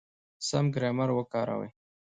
سم ګرامر وکاروئ!